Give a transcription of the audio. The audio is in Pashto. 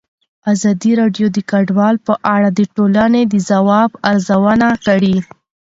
ازادي راډیو د کډوال په اړه د ټولنې د ځواب ارزونه کړې.